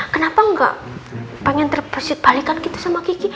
kenapa gak pengen terposit balikan kita sama kiki